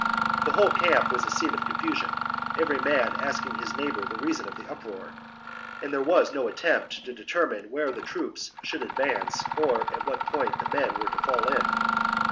The whole camp was a scene of confusion, every man asking his neighbour the reason of the uproar ; and there was no attempt to determine where the troops should advance or at what point the men were to fall in.